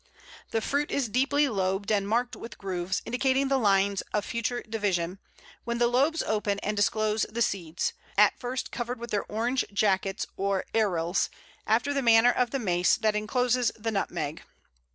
The fruit is deeply lobed, and marked with grooves, indicating the lines of future division, when the lobes open and disclose the seeds, at first covered with their orange jackets, or arils, after the manner of the mace that encloses the nutmeg.